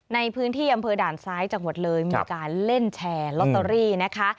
ในพื้นที่อำเภอด่านซ้ายจังหวัดเลยมีการเล่นแชร์ลอตเตอรี่นะคะ